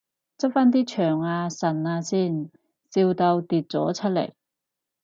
執返啲腸啊腎啊先，笑到跌咗出嚟